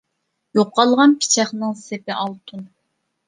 يوقالغان پىچاقنىڭ سېپى ئالتۇن.